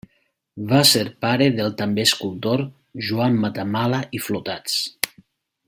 Va ser pare del també escultor Joan Matamala i Flotats.